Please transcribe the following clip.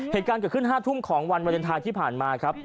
เหตุการณ์เกิดขึ้น๕ทุ่มของวันวาเลนไทยที่ผ่านมาครับ